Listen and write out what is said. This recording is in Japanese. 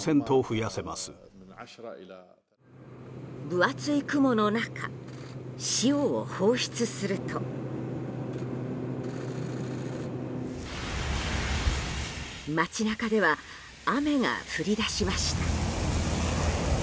分厚い雲の中塩を放出すると街中では、雨が降り出しました。